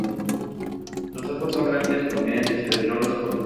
Los ojos son grandes, prominentes y de color oscuro.